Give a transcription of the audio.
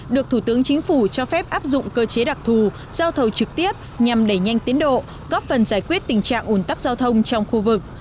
được thủ tướng chính phủ cho phép áp dụng cơ chế đặc thù giao thầu trực tiếp nhằm đẩy nhanh tiến độ góp phần giải quyết tình trạng ủn tắc giao thông trong khu vực